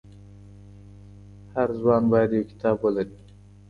هر ځوان بايد يو کتاب ولري.